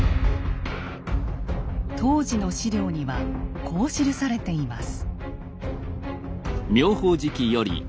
当時の史料にはこう記されています。